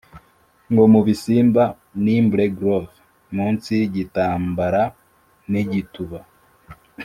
mubisimba nimble grove, munsi yigitambara nigituba